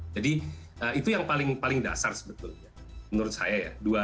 jadi itu yang paling dasar sebetulnya menurut saya ya